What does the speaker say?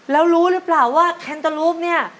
แล้วรู้หรือเปล่าว่าแคนเตอร์รูปเนี่ย